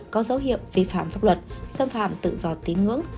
có dấu hiệu vi phạm pháp luật xâm phạm tự do tín ngưỡng